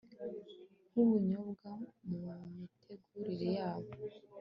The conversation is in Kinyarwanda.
nkubunyobwa mu mitegurire yabo